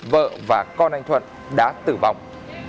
vợ và con anh thuận đã tử vong